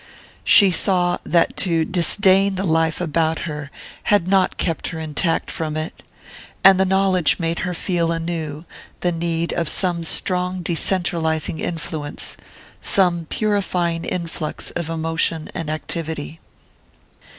She saw that to disdain the life about her had not kept her intact from it; and the knowledge made her feel anew the need of some strong decentralizing influence, some purifying influx of emotion and activity.